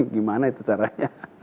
gimana itu caranya